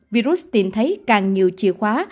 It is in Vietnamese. virus tìm thấy càng nhiều chìa khóa